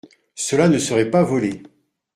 Cela ne serait pas volé.